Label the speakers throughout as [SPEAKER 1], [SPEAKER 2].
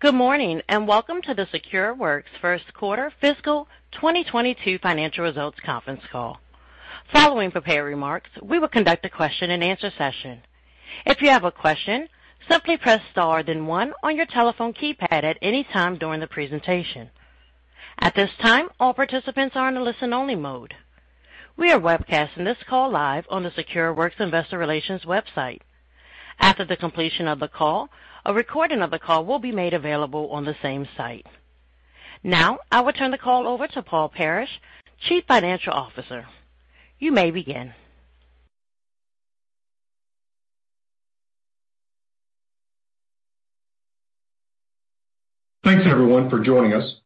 [SPEAKER 1] Good morning, and welcome to the SecureWorks first quarter fiscal 2022 financial results conference call. Following prepared remarks, we will conduct a question and answer session. If you have a question, simply press star then one on your telephone keypad at any time during the presentation. At this time, all participants are in listen-only mode. We are webcasting this call live on the SecureWorks investor relations website. After the completion of the call, a recording of the call will be made available on the same site. Now, I will turn the call over to Paul Parrish, Chief Financial Officer. You may begin.
[SPEAKER 2] Thanks, everyone, for joining us.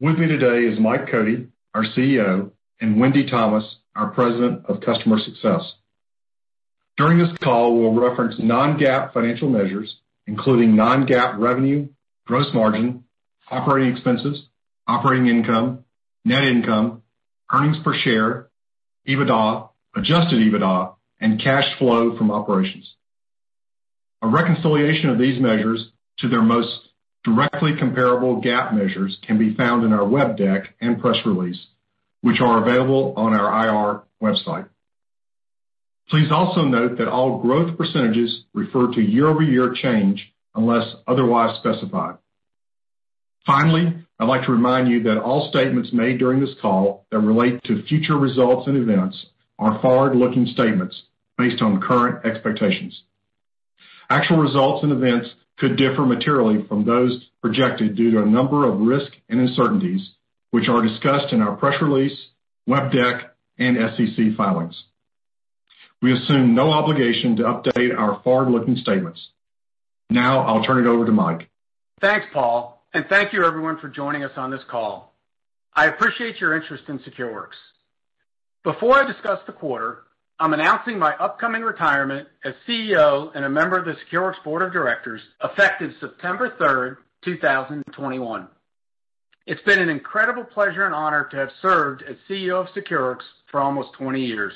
[SPEAKER 2] With me today is Mike Cote, our CEO, and Wendy Thomas, our President of Customer Success. During this call, we'll reference non-GAAP financial measures, including non-GAAP revenue, gross margin, operating expenses, operating income, net income, earnings per share, EBITDA, adjusted EBITDA, and cash flow from operations. A reconciliation of these measures to their most directly comparable GAAP measures can be found in our web deck and press release, which are available on our IR website. Please also note that all growth percentages refer to year-over-year change, unless otherwise specified. Finally, I'd like to remind you that all statements made during this call that relate to future results and events are forward-looking statements based on current expectations. Actual results and events could differ materially from those projected due to a number of risks and uncertainties, which are discussed in our press release, web deck, and SEC filings. We assume no obligation to update our forward-looking statements. Now, I'll turn it over to Mike.
[SPEAKER 3] Thanks, Paul, and thank you everyone for joining us on this call. I appreciate your interest in SecureWorks. Before I discuss the quarter, I'm announcing my upcoming retirement as CEO and a member of the SecureWorks Board of Directors effective September 3rd, 2021. It's been an incredible pleasure and honor to have served as CEO of SecureWorks for almost 20 years.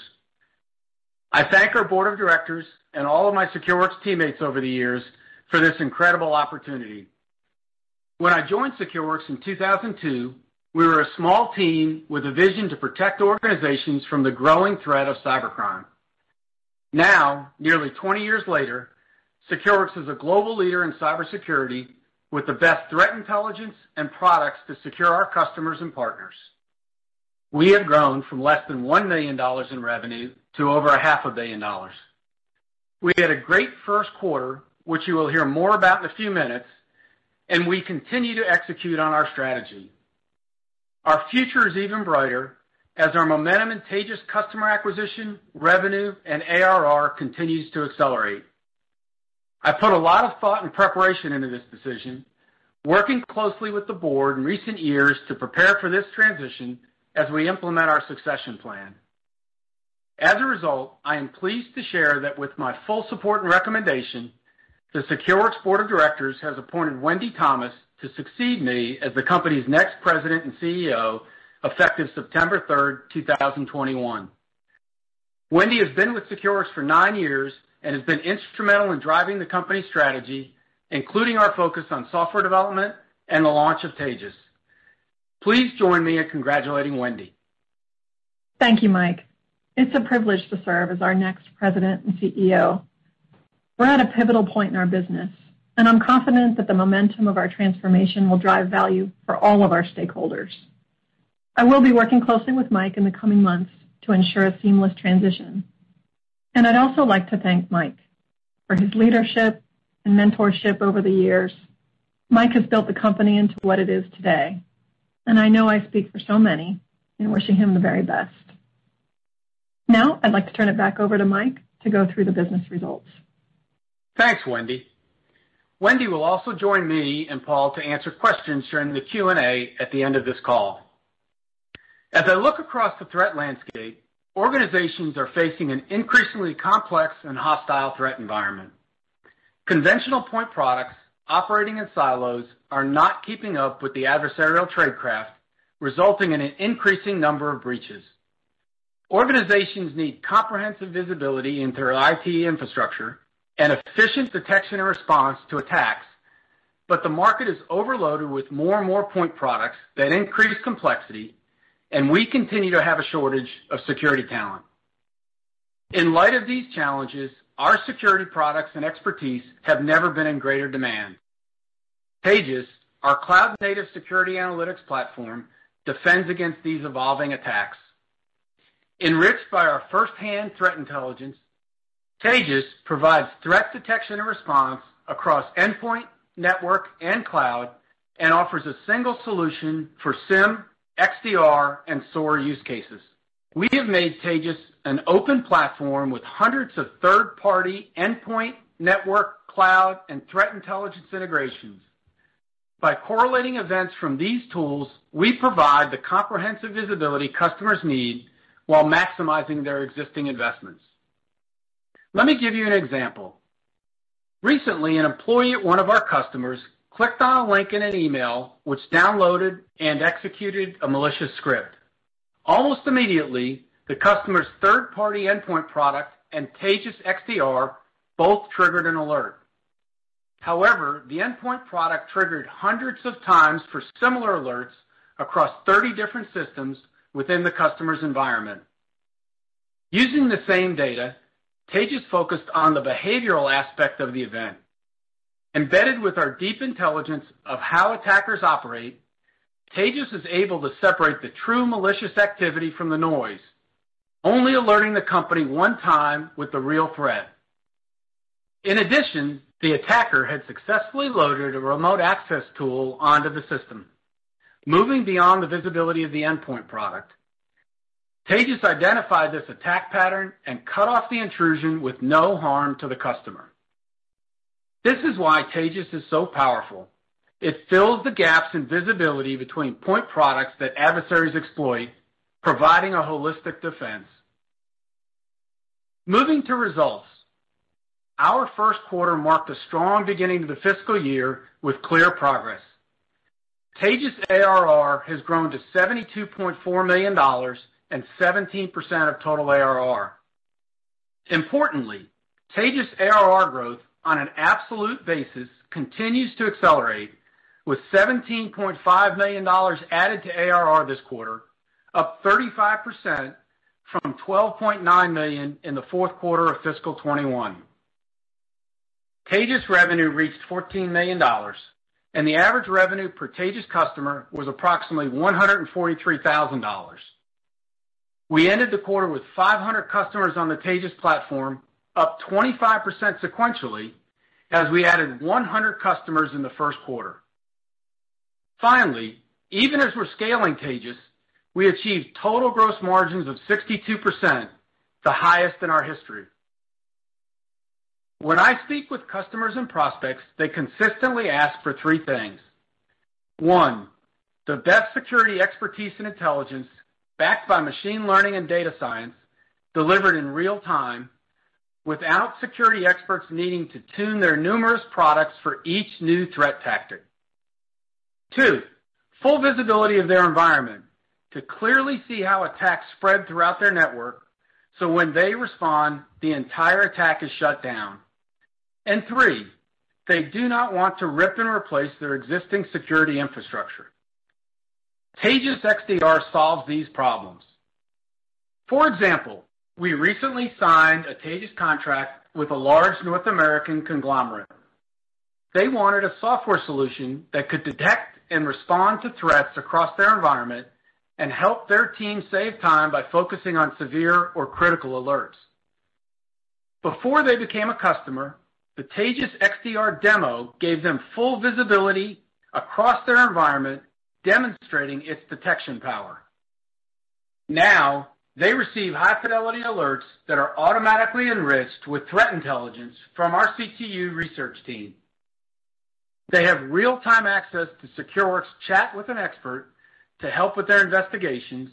[SPEAKER 3] I thank our Board of Directors and all of my SecureWorks teammates over the years for this incredible opportunity. When I joined SecureWorks in 2002, we were a small team with a vision to protect organizations from the growing threat of cybercrime. Now, nearly 20 years later, SecureWorks is a global leader in cybersecurity with the best threat intelligence and products to secure our customers and partners. We have grown from less than $1 million in revenue to over $500 million. We had a great first quarter, which you will hear more about in a few minutes, and we continue to execute on our strategy. Our future is even brighter as our momentum in Taegis customer acquisition, revenue, and ARR continues to accelerate. I put a lot of thought and preparation into this decision, working closely with the board in recent years to prepare for this transition as we implement our succession plan. As a result, I am pleased to share that with my full support and recommendation, the SecureWorks Board of Directors has appointed Wendy Thomas to succeed me as the company's next President and CEO, effective September 3rd, 2021. Wendy has been with SecureWorks for nine years and has been instrumental in driving the company's strategy, including our focus on software development and the launch of Taegis. Please join me in congratulating Wendy.
[SPEAKER 4] Thank you, Mike. It's a privilege to serve as our next President and CEO. We're at a pivotal point in our business, and I'm confident that the momentum of our transformation will drive value for all of our stakeholders. I will be working closely with Mike in the coming months to ensure a seamless transition. I'd also like to thank Mike for his leadership and mentorship over the years. Mike has built the company into what it is today, and I know I speak for so many in wishing him the very best. Now, I'd like to turn it back over to Mike to go through the business results.
[SPEAKER 3] Thanks, Wendy. Wendy will also join me and Paul to answer questions during the Q&A at the end of this call. As I look across the threat landscape, organizations are facing an increasingly complex and hostile threat environment. Conventional point products operating in silos are not keeping up with the adversarial tradecraft, resulting in an increasing number of breaches. Organizations need comprehensive visibility into their IT infrastructure and efficient detection and response to attacks. The market is overloaded with more and more point products that increase complexity. We continue to have a shortage of security talent. In light of these challenges, our security products and expertise have never been in greater demand. Taegis, our cloud-native security analytics platform, defends against these evolving attacks. Enriched by our first-hand threat intelligence, Taegis provides threat detection and response across endpoint, network, and cloud, and offers a single solution for SIEM, XDR, and SOAR use cases. We have made Taegis an open platform with hundreds of third-party endpoint, network, cloud, and threat intelligence integrations. By correlating events from these tools, we provide the comprehensive visibility customers need while maximizing their existing investments. Let me give you an example. Recently, an employee at one of our customers clicked on a link in an email, which downloaded and executed a malicious script. Almost immediately, the customer's third-party endpoint product and Taegis XDR both triggered an alert. However, the endpoint product triggered hundreds of times for similar alerts across 30 different systems within the customer's environment. Using the same data, Taegis focused on the behavioral aspect of the event. Embedded with our deep intelligence of how attackers operate, Taegis was able to separate the true malicious activity from the noise, only alerting the company one time with the real threat. In addition, the attacker had successfully loaded a remote access tool onto the system. Moving beyond the visibility of the endpoint product, Taegis identified this attack pattern and cut off the intrusion with no harm to the customer. This is why Taegis is so powerful. It fills the gaps in visibility between point products that adversaries exploit, providing a holistic defense. Moving to results. Our first quarter marked a strong beginning to the fiscal year with clear progress. Taegis ARR has grown to $72.4 million and 17% of total ARR. Importantly, Taegis ARR growth on an absolute basis continues to accelerate, with $17.5 million added to ARR this quarter, up 35% from $12.9 million in the fourth quarter of fiscal 2021. Taegis revenue reached $14 million, and the average revenue per Taegis customer was approximately $143,000. We ended the quarter with 500 customers on the Taegis platform, up 25% sequentially as we added 100 customers in the first quarter. Finally, even as we're scaling Taegis, we achieved total gross margins of 62%, the highest in our history. When I speak with customers and prospects, they consistently ask for three things. One, the best security expertise and intelligence backed by machine learning and data science, delivered in real time without security experts needing to tune their numerous products for each new threat tactic. Two, full visibility of their environment to clearly see how attacks spread throughout their network, so when they respond, the entire attack is shut down. Three, they do not want to rip and replace their existing security infrastructure. Taegis XDR solves these problems. For example, we recently signed a Taegis contract with a large North American conglomerate. They wanted a software solution that could detect and respond to threats across their environment and help their team save time by focusing on severe or critical alerts. Before they became a customer, the Taegis XDR demo gave them full visibility across their environment, demonstrating its detection power. Now they receive high-fidelity alerts that are automatically enriched with threat intelligence from our CTU research team. They have real-time access to SecureWorks chat with an expert to help with their investigations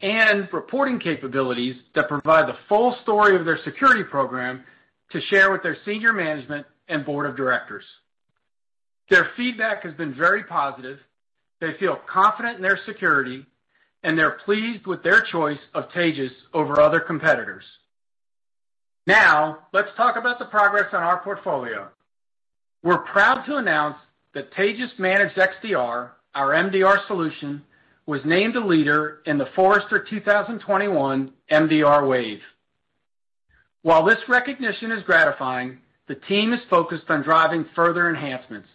[SPEAKER 3] and reporting capabilities that provide the full story of their security program to share with their senior management and Board of Directors. Their feedback has been very positive. They feel confident in their security, and they're pleased with their choice of Taegis over other competitors. Now let's talk about the progress on our portfolio. We're proud to announce that Taegis ManagedXDR, our MDR solution, was named a leader in the Forrester 2021 MDR Wave. While this recognition is gratifying, the team is focused on driving further enhancements.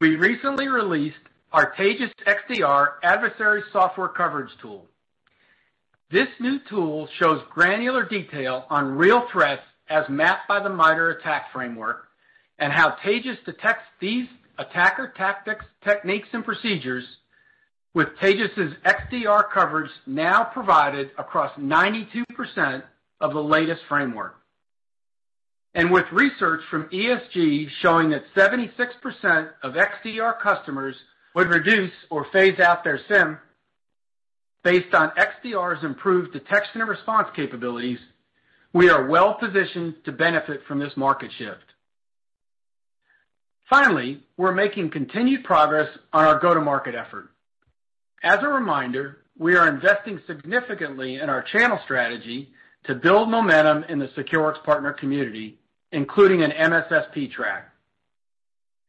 [SPEAKER 3] We recently released our Taegis XDR Adversary Software Coverage tool. This new tool shows granular detail on real threats as mapped by the MITRE ATT&CK framework and how Taegis detects these attacker tactics, techniques, and procedures with Taegis' XDR coverage now provided across 92% of the latest framework. With research from ESG showing that 76% of XDR customers would reduce or phase out their SIEM based on XDR's improved detection and response capabilities, we are well-positioned to benefit from this market shift. Finally, we're making continued progress on our go-to-market effort. As a reminder, we are investing significantly in our channel strategy to build momentum in the SecureWorks partner community, including an MSSP track.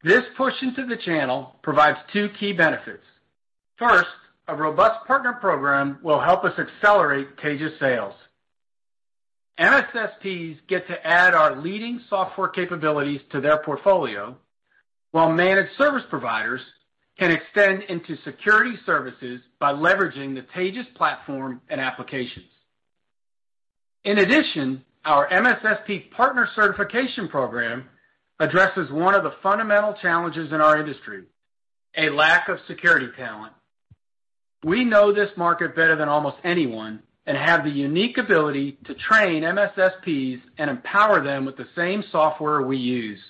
[SPEAKER 3] This push into the channel provides two key benefits. First, a robust partner program will help us accelerate Taegis sales. MSSPs get to add our leading software capabilities to their portfolio, while managed service providers can extend into security services by leveraging the Taegis platform and applications. Our MSSP partner certification program addresses one of the fundamental challenges in our industry, a lack of security talent. We know this market better than almost anyone and have the unique ability to train MSSPs and empower them with the same software we use.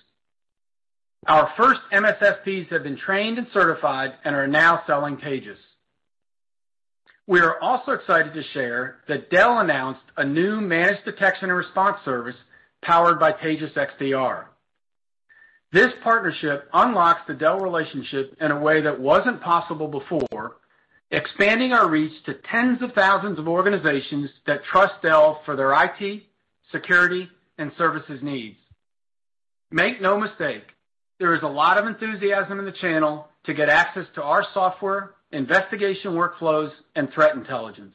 [SPEAKER 3] Our first MSSPs have been trained and certified and are now selling Taegis. We are also excited to share that Dell announced a new managed detection and response service powered by Taegis XDR. This partnership unlocks the Dell relationship in a way that wasn't possible before, expanding our reach to tens of thousands of organizations that trust Dell for their IT, security, and services needs. Make no mistake, there is a lot of enthusiasm in the channel to get access to our software, investigation workflows, and threat intelligence.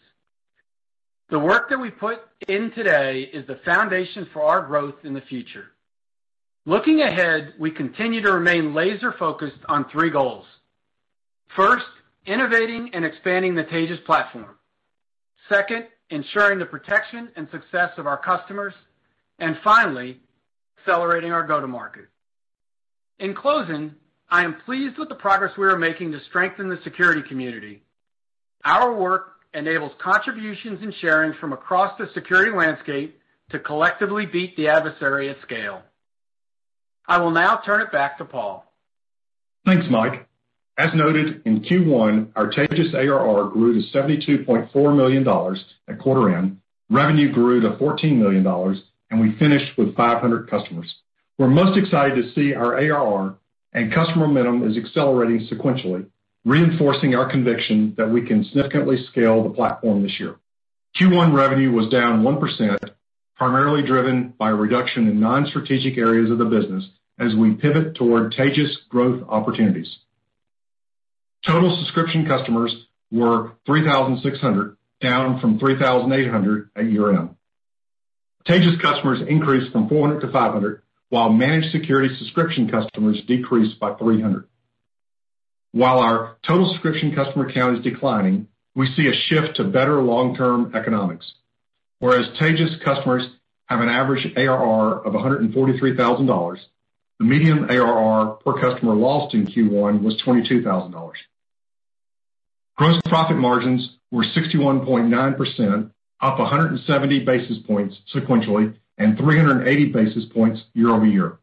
[SPEAKER 3] The work that we put in today is the foundation for our growth in the future. Looking ahead, we continue to remain laser-focused on three goals. First, innovating and expanding the Taegis platform. Second, ensuring the protection and success of our customers. Finally, accelerating our go-to-market. In closing, I am pleased with the progress we are making to strengthen the security community. Our work enables contributions and sharing from across the security landscape to collectively beat the adversary at scale. I will now turn it back to Paul.
[SPEAKER 2] Thanks, Mike. As noted, in Q1, our Taegis ARR grew to $72.4 million at quarter end, revenue grew to $14 million, and we finished with 500 customers. We're most excited to see our ARR and customer momentum is accelerating sequentially, reinforcing our conviction that we can significantly scale the platform this year. Q1 revenue was down 1%, primarily driven by a reduction in non-strategic areas of the business as we pivot toward Taegis growth opportunities. Total subscription customers were 3,600, down from 3,800 at year-end. Taegis customers increased from 400 to 500, while Managed Security Services customers decreased by 300. While our total subscription customer count is declining, we see a shift to better long-term economics. Whereas Taegis customers have an average ARR of $143,000, the median ARR per customer lost in Q1 was $22,000. Gross profit margins were 61.9%, up 170 basis points sequentially and 380 basis points year-over-year.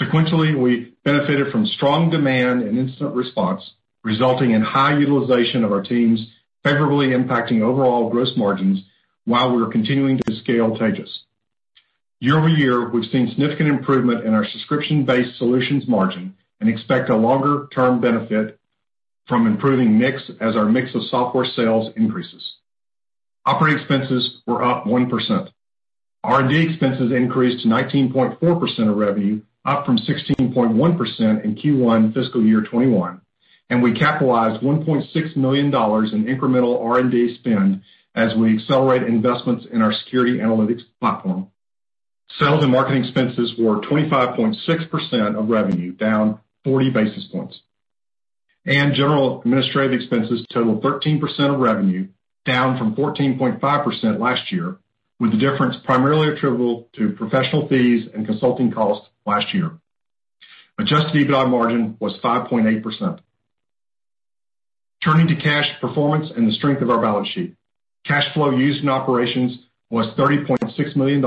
[SPEAKER 2] Sequentially, we benefited from strong demand and incident response, resulting in high utilization of our teams favorably impacting overall gross margins while we are continuing to scale Taegis. Year-over-year, we've seen significant improvement in our subscription-based solutions margin and expect a longer-term benefit from improving mix as our mix of software sales increases. Operating expenses were up 1%. R&D expenses increased to 19.4% of revenue, up from 16.1% in Q1 fiscal year 2021, and we capitalized $1.6 million in incremental R&D spend as we accelerate investments in our security analytics platform. Sales and marketing expenses were 25.6% of revenue, down 40 basis points. General administrative expenses totaled 13% of revenue, down from 14.5% last year, with the difference primarily attributable to professional fees and consulting costs last year. Adjusted EBITDA margin was 5.8%. Turning to cash performance and the strength of our balance sheet. Cash flow used in operations was $30.6 million,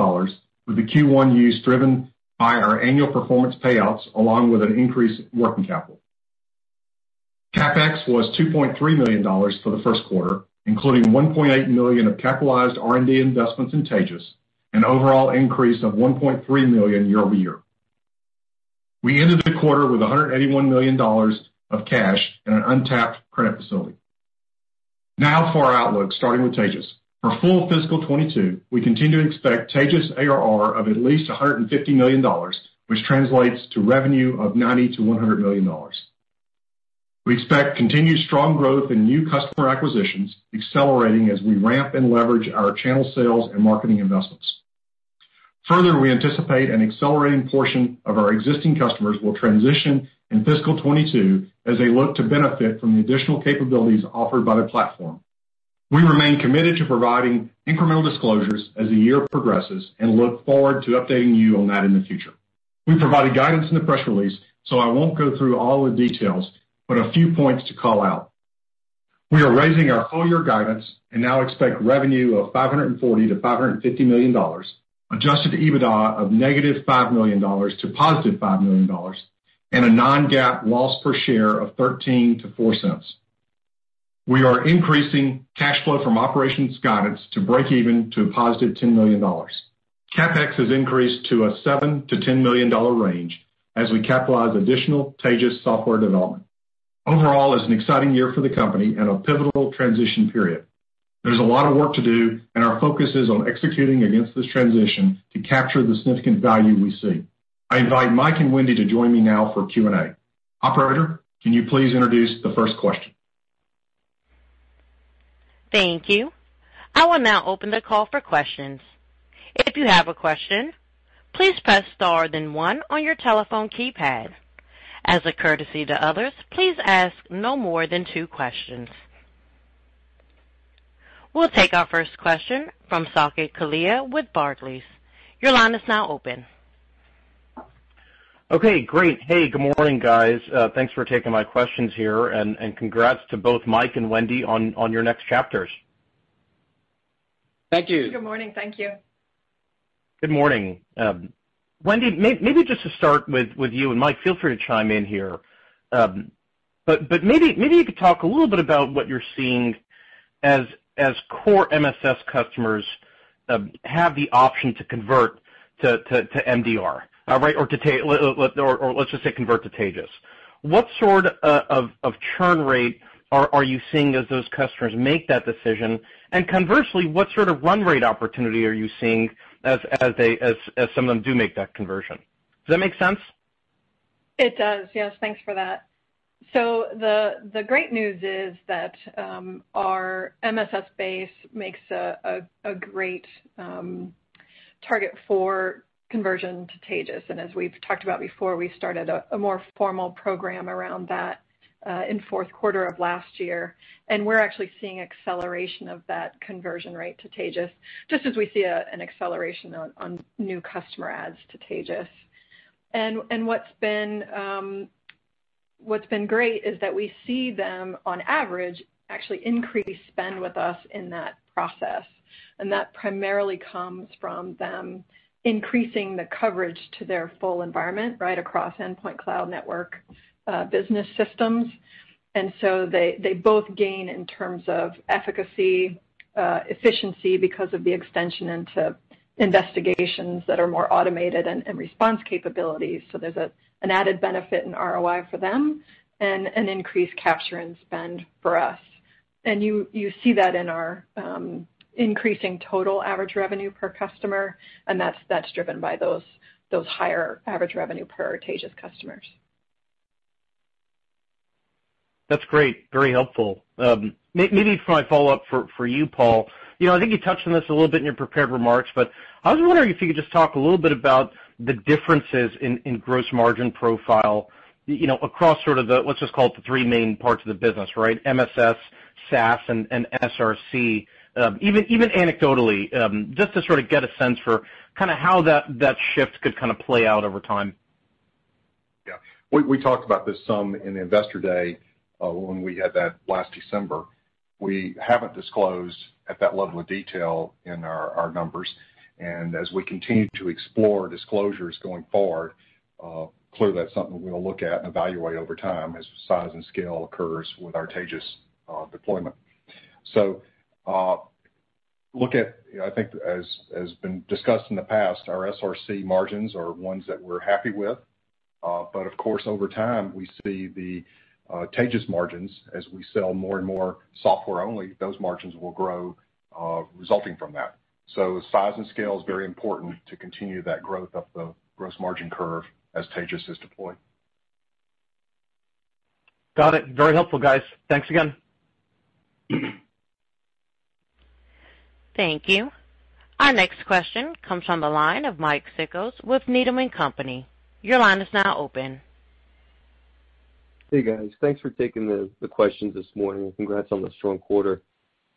[SPEAKER 2] with the Q1 use driven by our annual performance payouts along with an increase in working capital. CapEx was $2.3 million for the first quarter, including $1.8 million of capitalized R&D investments in Taegis, an overall increase of $1.3 million year-over-year. We ended the quarter with $181 million of cash and an untapped credit facility. For our outlook, starting with Taegis. For full fiscal 2022, we continue to expect Taegis ARR of at least $150 million, which translates to revenue of $90 million-$100 million. We expect continued strong growth in new customer acquisitions, accelerating as we ramp and leverage our channel sales and marketing investments. Further, we anticipate an accelerating portion of our existing customers will transition in fiscal 2022 as they look to benefit from the additional capabilities offered by the platform. We remain committed to providing incremental disclosures as the year progresses and look forward to updating you on that in the future. We provided guidance in the press release, so I won't go through all the details, but a few points to call out. We are raising our full-year guidance and now expect revenue of $540 million-$550 million, adjusted EBITDA of -$5 million to +$5 million, and a non-GAAP loss per share of $0.13 to $0.04. We are increasing cash flow from operations guidance to break even to a +$10 million. CapEx has increased to a $7 million-$10 million range as we capitalize additional Taegis software development. Overall, it's an exciting year for the company and a pivotal transition period. There's a lot of work to do, and our focus is on executing against this transition to capture the significant value we see. I invite Mike and Wendy to join me now for Q&A. Operator, can you please introduce the first question?
[SPEAKER 1] Thank you. I will now open the call for questions. If you have a question, please press star then one on your telephone keypad. As a courtesy to others, please ask no more than two questions. We'll take our first question from Saket Kalia with Barclays. Your line is now open.
[SPEAKER 5] Okay, great. Hey, good morning, guys. Thanks for taking my questions here. Congrats to both Mike and Wendy on your next chapters.
[SPEAKER 3] Thank you.
[SPEAKER 4] Good morning. Thank you.
[SPEAKER 5] Good morning. Wendy, maybe just to start with you, and Mike, feel free to chime in here. Maybe you could talk a little bit about what you're seeing as core MSS customers have the option to convert to MDR, let's just say convert to Taegis. What sort of churn rate are you seeing as those customers make that decision? Conversely, what sort of run rate opportunity are you seeing as some of them do make that conversion? Does that make sense?
[SPEAKER 4] It does. Yes, thanks for that. The great news is that our MSS base makes a great target for conversion to Taegis. As we've talked about before, we started a more formal program around that in fourth quarter of last year, and we're actually seeing acceleration of that conversion rate to Taegis, just as we see an acceleration on new customer adds to Taegis. What's been great is that we see them, on average, actually increase spend with us in that process. That primarily comes from them increasing the coverage to their full environment right across endpoint cloud network business systems. They both gain in terms of efficacy, efficiency because of the extension into investigations that are more automated and response capabilities. There's an added benefit in ROI for them and an increased capture and spend for us. You see that in our increasing total average revenue per customer, and that's driven by those higher average revenue per our Taegis customers.
[SPEAKER 5] That's great. Very helpful. Maybe for my follow-up for you, Paul. I think you touched on this a little bit in your prepared remarks, but I was wondering if you could just talk a little bit about the differences in gross margin profile across sort of the, let's just call it the three main parts of the business, right? MSS, SaaS, and SRC. Even anecdotally, just to sort of get a sense for how that shift could play out over time.
[SPEAKER 2] Yeah. We talked about this some in Investor Day when we had that last December. We haven't disclosed at that level of detail in our numbers. As we continue to explore disclosures going forward, clearly that's something we'll look at and evaluate over time as the size and scale occurs with our Taegis deployment. Look at, I think as has been discussed in the past, our SRC margins are ones that we're happy with. Of course, over time, we see the Taegis margins as we sell more and more software only, those margins will grow resulting from that. Size and scale is very important to continue that growth up the gross margin curve as Taegis is deployed.
[SPEAKER 5] Got it. Very helpful, guys. Thanks again.
[SPEAKER 1] Thank you. Our next question comes from the line of Mike Cikos with Needham & Company. Your line is now open.
[SPEAKER 6] Hey, guys. Thanks for taking the questions this morning, and congrats on the strong quarter.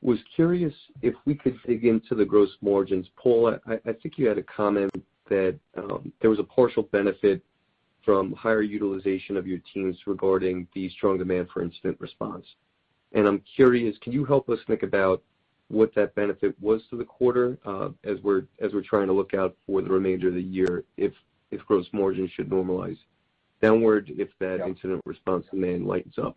[SPEAKER 6] Was curious if we could dig into the gross margins. Paul, I think you had a comment that there was a partial benefit from higher utilization of your teams regarding the strong demand for incident response. I'm curious, can you help us think about what that benefit was to the quarter? As we're trying to look out for the remainder of the year, if gross margins should normalize downward if that incident response demand lightens up.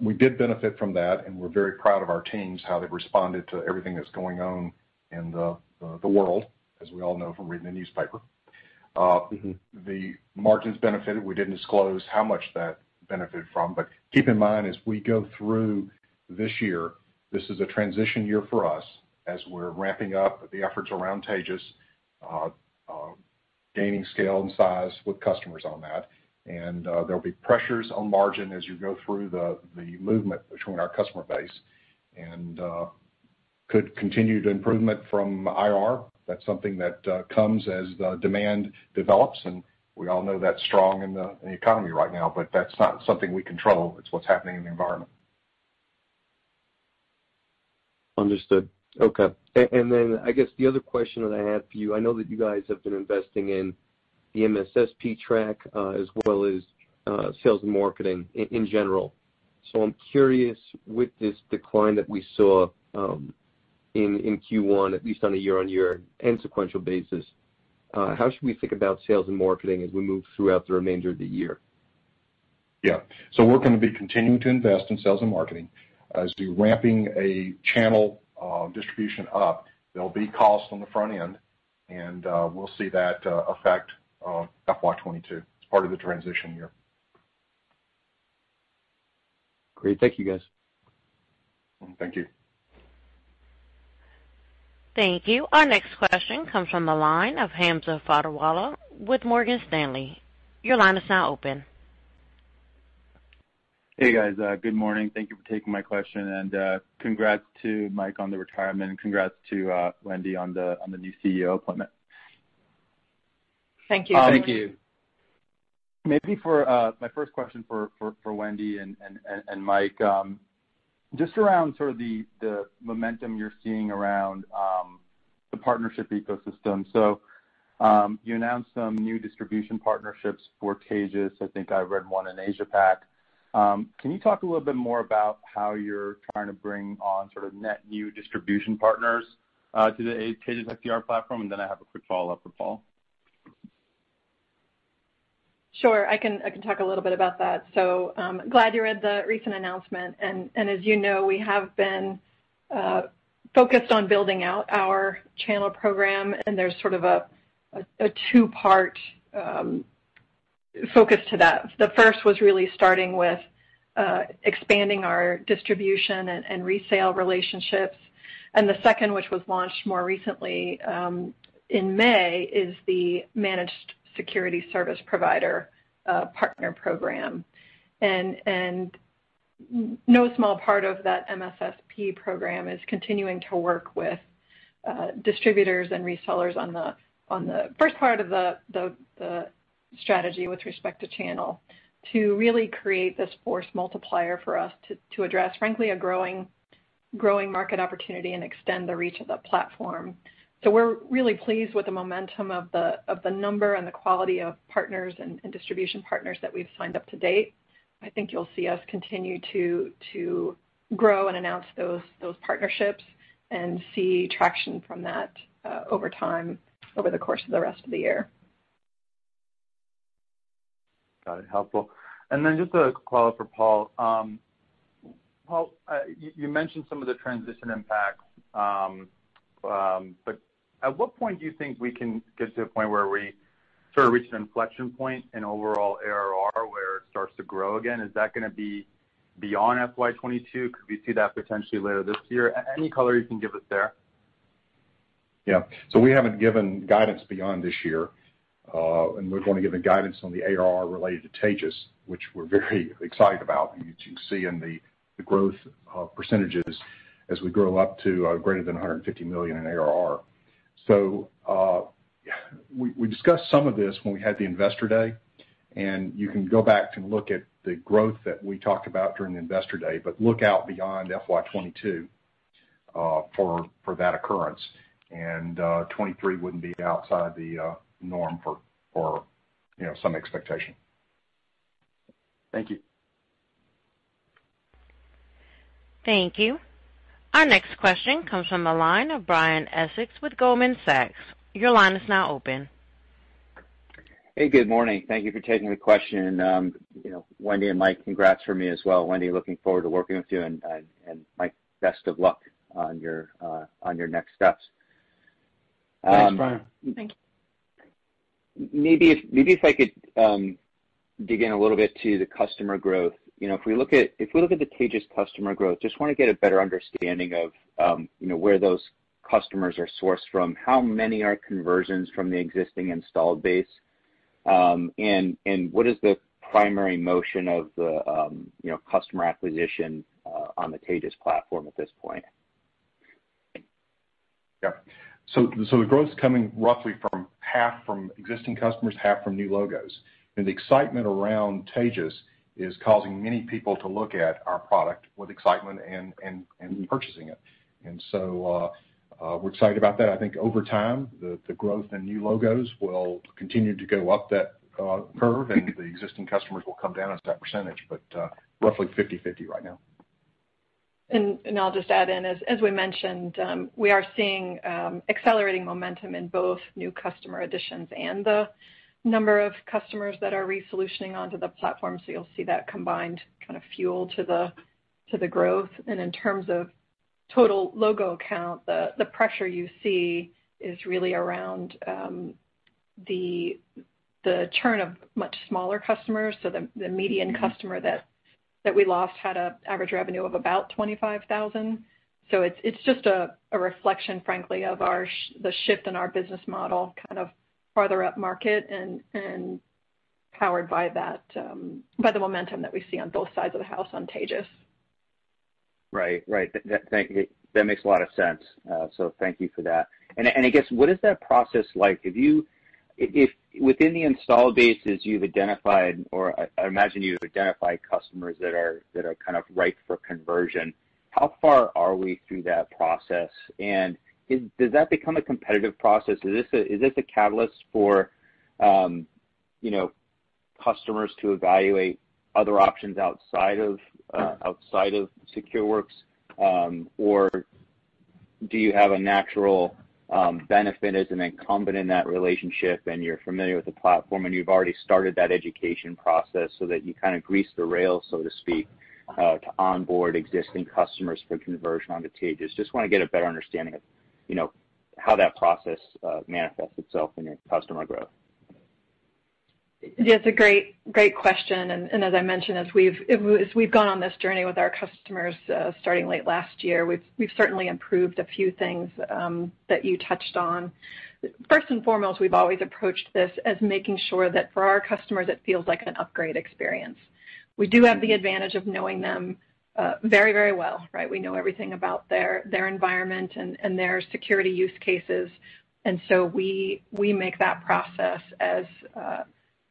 [SPEAKER 2] We did benefit from that, and we're very proud of our teams, how they responded to everything that's going on in the world, as we all know from reading the newspaper. The margins benefited. We didn't disclose how much that benefited from. Keep in mind, as we go through this year, this is a transition year for us as we're ramping up the efforts around Taegis, gaining scale and size with customers on that. There'll be pressures on margin as you go through the movement between our customer base and could continue to improvement from IR. That's something that comes as the demand develops, and we all know that's strong in the economy right now, but that's not something we control. It's what's happening in the environment.
[SPEAKER 6] Understood. Okay. Then I guess the other question that I have for you, I know that you guys have been investing in the MSSP track as well as sales and marketing in general. I'm curious with this decline that we saw in Q1, at least on a year-on-year and sequential basis, how should we think about sales and marketing as we move throughout the remainder of the year?
[SPEAKER 2] Yeah. We're going to be continuing to invest in sales and marketing as we're ramping a channel distribution up. There'll be costs on the front end, and we'll see that affect FY 2022. It's part of the transition year.
[SPEAKER 6] Great. Thank you, guys.
[SPEAKER 2] Thank you.
[SPEAKER 1] Thank you. Our next question comes from the line of Hamza Fodderwala with Morgan Stanley. Your line is now open.
[SPEAKER 7] Hey, guys. Good morning. Thank you for taking my question, and congrats to Mike on the retirement. Congrats to Wendy on the new CEO appointment.
[SPEAKER 4] Thank you.
[SPEAKER 7] My first question for Wendy and Mike, just around sort of the momentum you're seeing around the partnership ecosystem. You announced some new distribution partnerships for Taegis. I think I read one in Asia-Pac. Can you talk a little bit more about how you're trying to bring on net new distribution partners to the Taegis XDR platform? I have a quick follow-up for Paul.
[SPEAKER 4] Sure. I can talk a little bit about that. Glad you read the recent announcement. As you know, we have been focused on building out our channel program, and there's sort of a two-part focus to that. The first was really starting with expanding our distribution and resale relationships, and the second, which was launched more recently, in May, is the Managed Security Service Provider Partner Program. No small part of that MSSP Program is continuing to work with distributors and resellers on the first part of the strategy with respect to channel to really create this force multiplier for us to address, frankly, a growing market opportunity and extend the reach of the platform. We're really pleased with the momentum of the number and the quality of partners and distribution partners that we've signed up to date. I think you'll see us continue to grow and announce those partnerships and see traction from that over time, over the course of the rest of the year.
[SPEAKER 7] Got it. Helpful. Just a follow-up for Paul. Paul, you mentioned some of the transition impacts. At what point do you think we can get to a point where we reach an inflection point in overall ARR where it starts to grow again? Is that going to be beyond FY 2022? Could we see that potentially later this year? Any color you can give us there?
[SPEAKER 2] Yeah. We haven't given guidance beyond this year. We've only given guidance on the ARR related to Taegis, which we're very excited about. You can see in the growth percentage as we grow up to greater than $150 million in ARR. We discussed some of this when we had the Investor Day, and you can go back to look at the growth that we talked about during the Investor Day. Look out beyond FY 2022 for that occurrence. 2023 wouldn't be outside the norm for some expectation.
[SPEAKER 7] Thank you.
[SPEAKER 1] Thank you. Our next question comes from the line of Brian Essex with Goldman Sachs. Your line is now open.
[SPEAKER 8] Hey, good morning. Thank you for taking the question. Wendy and Mike, congrats from me as well. Wendy, looking forward to working with you, and Mike, best of luck on your next steps.
[SPEAKER 3] Thanks, Brian.
[SPEAKER 4] Thank you.
[SPEAKER 8] Maybe if I could dig in a little bit to the customer growth. If we look at the Taegis customer growth, just want to get a better understanding of where those customers are sourced from. How many are conversions from the existing installed base? What is the primary motion of the customer acquisition on the Taegis platform at this point?
[SPEAKER 2] Yeah. The growth's coming roughly from half from existing customers, half from new logos. The excitement around Taegis is causing many people to look at our product with excitement and be purchasing it. We're excited about that. I think over time, the growth in new logos will continue to go up that curve, and the existing customers will come down as that percentage. Roughly 50/50 right now.
[SPEAKER 4] I'll just add in, as we mentioned, we are seeing accelerating momentum in both new customer additions and the number of customers that are re-solutioning onto the platform. You'll see that combined fuel to the growth. In terms of total logo count, the pressure you see is really around the churn of much smaller customers. The median customer that we lost had an average revenue of about $25,000. It's just a reflection, frankly, of the shift in our business model farther up market and powered by the momentum that we see on both sides of the house on Taegis.
[SPEAKER 8] Right. That makes a lot of sense. Thank you for that. I guess, what is that process like? Within the install bases you've identified, or I imagine you've identified customers that are ripe for conversion. How far are we through that process, and does that become a competitive process? Is this a catalyst for customers to evaluate other options outside of SecureWorks? Or do you have a natural benefit as an incumbent in that relationship, and you're familiar with the platform, and you've already started that education process so that you grease the rail, so to speak, to onboard existing customers for conversion onto Taegis? Just want to get a better understanding of how that process manifests itself in your customer growth.
[SPEAKER 4] It's a great question. As I mentioned, as we've gone on this journey with our customers starting late last year, we've certainly improved a few things that you touched on. First and foremost, we've always approached this as making sure that for our customers, it feels like an upgrade experience. We do have the advantage of knowing them very well, right? We know everything about their environment and their security use cases. We make that process as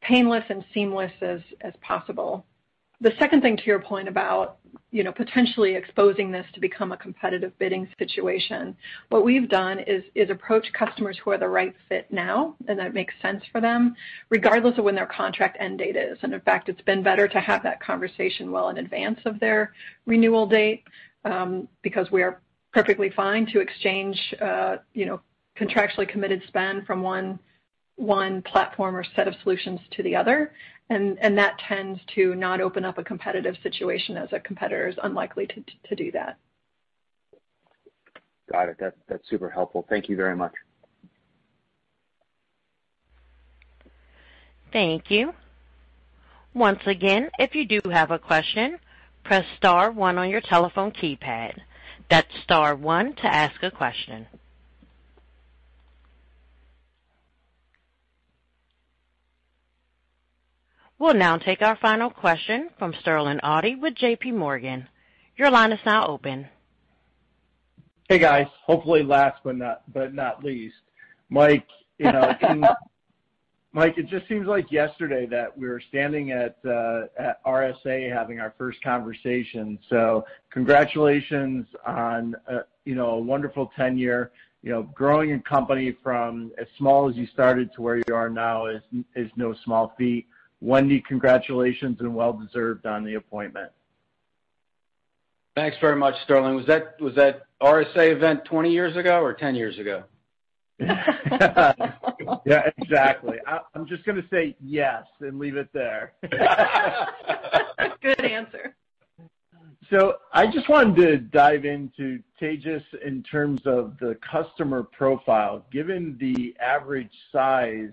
[SPEAKER 4] painless and seamless as possible. The second thing to your point about potentially exposing this to become a competitive bidding situation. What we've done is approach customers who are the right fit now and that makes sense for them, regardless of when their contract end date is. In fact, it's been better to have that conversation well in advance of their renewal date, because we are perfectly fine to exchange contractually committed spend from one platform or set of solutions to the other. That tends to not open up a competitive situation as a competitor is unlikely to do that.
[SPEAKER 8] Got it. That's super helpful. Thank you very much.
[SPEAKER 1] Thank you. Once again, if you do have a question, press star one on your telephone keypad. That's star one to ask a question. We'll now take our final question from Sterling Auty with JPMorgan. Your line is now open.
[SPEAKER 9] Hey, guys. Hopefully last but not least. Mike, it just seems like yesterday that we were standing at RSA having our first conversation. Congratulations on a wonderful 10-year. Growing a company from as small as you started to where you are now is no small feat. Wendy, congratulations and well-deserved on the appointment.
[SPEAKER 3] Thanks very much, Sterling. Was that RSA event 20 years ago or 10 years ago?
[SPEAKER 9] Yeah, exactly. I'm just going to say yes and leave it there.
[SPEAKER 4] Good answer.
[SPEAKER 9] I just wanted to dive into, Taegis, in terms of the customer profile. Given the average size,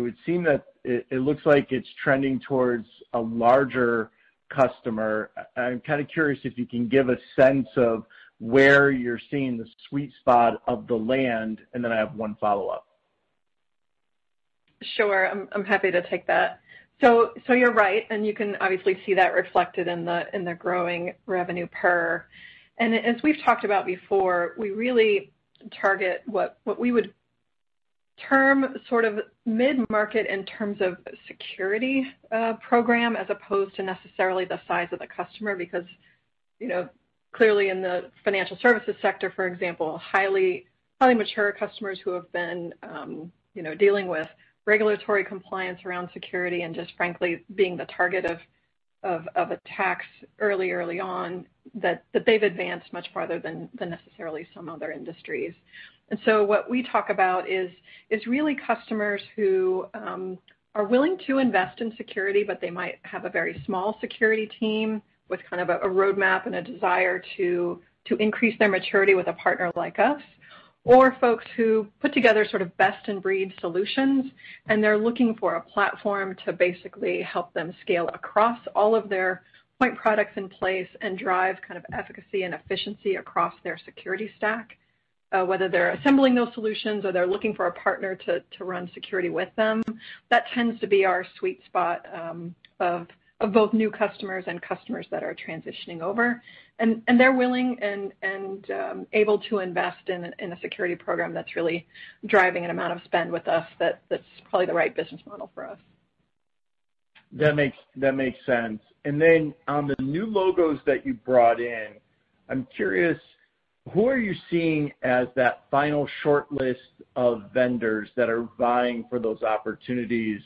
[SPEAKER 9] it would seem that it looks like it's trending towards a larger customer. I'm curious if you can give a sense of where you're seeing the sweet spot of the land, and then I have one follow-up.
[SPEAKER 4] Sure. I'm happy to take that. You're right, and you can obviously see that reflected in the growing revenue per. As we've talked about before, we really target what we would term mid-market in terms of security program as opposed to necessarily the size of the customer. Clearly in the financial services sector, for example, highly mature customers who have been dealing with regulatory compliance around security and just frankly being the target of attacks early on, that they've advanced much farther than necessarily some other industries. What we talk about is really customers who are willing to invest in security, but they might have a very small security team with a roadmap and a desire to increase their maturity with a partner like us. Folks who put together best-in-breed solutions, they're looking for a platform to basically help them scale across all of their point products in place and drive efficacy and efficiency across their security stack. Whether they're assembling those solutions or they're looking for a partner to run security with them, that tends to be our sweet spot of both new customers and customers that are transitioning over. They're willing and able to invest in a security program that's really driving amount of spend with us that's probably the right business model for us.
[SPEAKER 9] That makes sense. On the new logos that you brought in, I'm curious, who are you seeing as that final shortlist of vendors that are vying for those opportunities?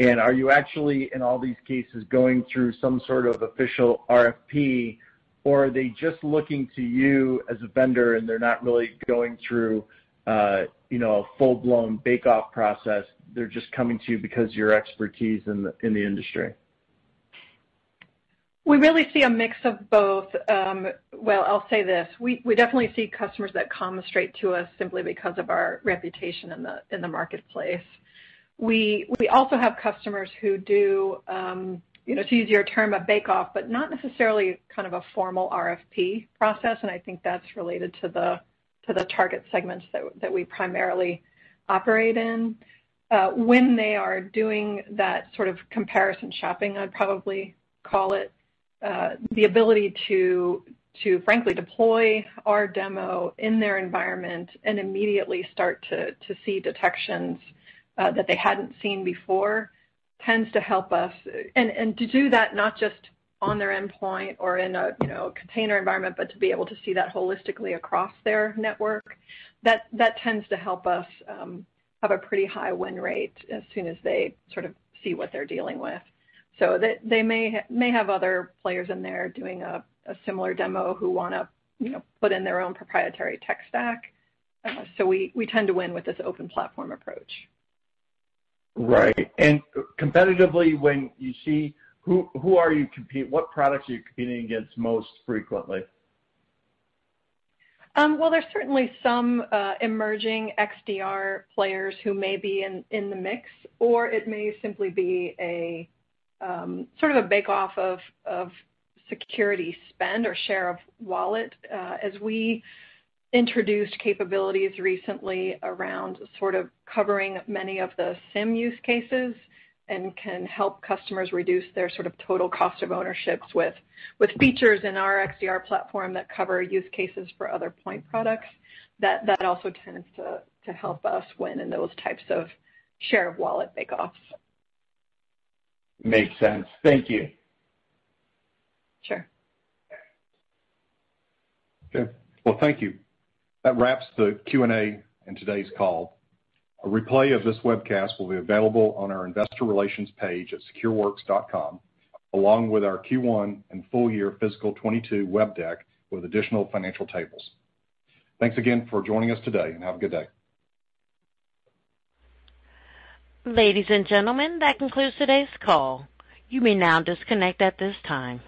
[SPEAKER 9] Are you actually, in all these cases, going through some sort of official RFP, or are they just looking to you as a vendor and they're not really going through a full-blown bake-off process? They're just coming to you because your expertise in the industry.
[SPEAKER 4] We really see a mix of both. Well, I'll say this. We definitely see customers that come straight to us simply because of our reputation in the marketplace. We also have customers who do, it's easier to term a bake-off, but not necessarily a formal RFP process, and I think that's related to the target segments that we primarily operate in. When they are doing that comparison shopping, I'd probably call it, the ability to frankly deploy our demo in their environment and immediately start to see detections that they hadn't seen before tends to help us. To do that not just on their endpoint or in a container environment, but to be able to see that holistically across their network, that tends to help us have a pretty high win rate as soon as they see what they're dealing with. They may have other players in there doing a similar demo who want to put in their own proprietary tech stack. We tend to win with this open platform approach.
[SPEAKER 9] Right. Competitively, when you see, what products are you competing against most frequently?
[SPEAKER 4] Well, there's certainly some emerging XDR players who may be in the mix, or it may simply be a bake-off of security spend or share of wallet. As we introduced capabilities recently around sort of covering many of the SIEM use cases and can help customers reduce their total cost of ownership with features in our XDR platform that cover use cases for other point products, that also tends to help us win in those types of share of wallet bake-offs.
[SPEAKER 9] Makes sense. Thank you.
[SPEAKER 4] Sure.
[SPEAKER 2] Okay. Well, thank you. That wraps the Q&A in today's call. A replay of this webcast will be available on our investor relations page at secureworks.com, along with our Q1 and full year fiscal 2022 web deck with additional financial tables. Thanks again for joining us today, and have a good day.
[SPEAKER 1] Ladies and gentlemen, that concludes today's call. You may now disconnect at this time.